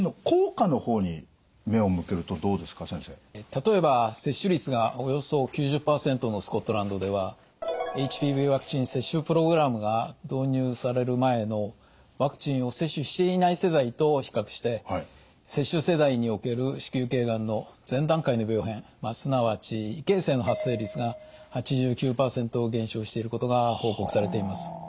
例えば接種率がおよそ９０％のスコットランドではＨＰＶワクチン接種プログラムが導入される前のワクチンを接種していない世代と比較して接種世代における子宮頸がんの前段階の病変すなわち異形成の発生率が８９％減少していることが報告されています。